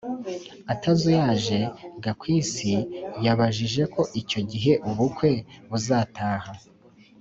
Atazuyaje gakwisi yabijeje ko icyo gihe ubukwe buzataha